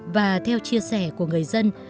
và theo chia sẻ của người dân